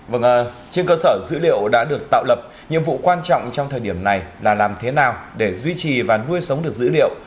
vâng trên cơ sở dữ liệu đã được tạo lập nhiệm vụ quan trọng trong thời điểm này là làm thế nào để duy trì và nuôi sống được dữ liệu